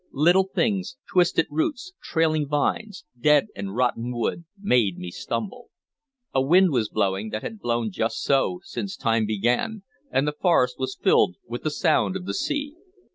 Little things, twisted roots, trailing vines, dead and rotten wood, made me stumble. A wind was blowing that had blown just so since time began, and the forest was filled with the sound of the sea.